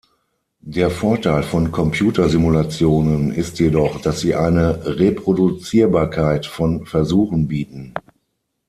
Der Vorteil von Computersimulationen ist jedoch, dass sie eine Reproduzierbarkeit von Versuchen bieten.